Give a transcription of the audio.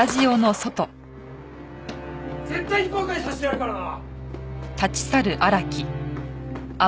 絶対に後悔させてやるからな！